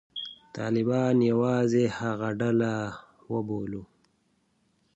طالبان یوازې هغه ډله وبولو.